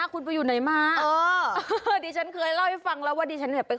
คุณใบตองคุณก็เคยไป